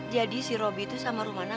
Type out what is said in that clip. jadi si robi tuh sama rumana